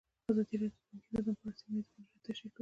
ازادي راډیو د بانکي نظام په اړه سیمه ییزې پروژې تشریح کړې.